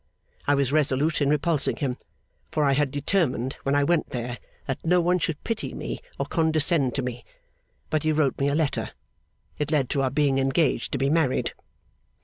I was resolute in repulsing him; for I had determined when I went there, that no one should pity me or condescend to me. But he wrote me a letter. It led to our being engaged to be married.